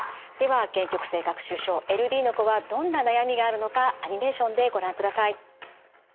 では限局性学習症ＬＤの子はどんな悩みがあるのかアニメーションでご覧ください。